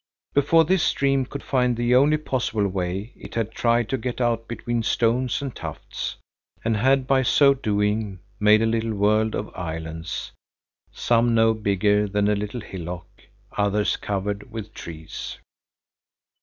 Before this stream could find the only possible way, it had tried to get out between stones and tufts, and had by so doing made a little world of islands, some no bigger than a little hillock, others covered with trees.